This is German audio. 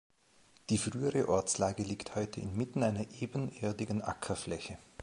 Die frühere Ortslage liegt heute inmitten einer ebenerdigen Ackerfläche.